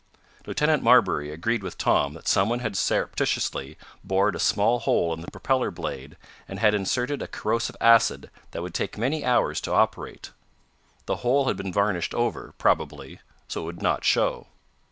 Lieutenant Marbury agreed with Tom that someone had surreptitiously bored a small hole in the propeller blade, and had inserted a corrosive acid that would take many hours to operate. The hole had been varnished over, probably, so it would not show.